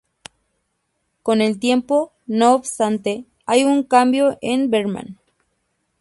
Con el tiempo, no obstante, hay un cambio en Berman.